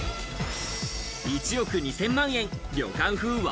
１億２０００万円、旅館風和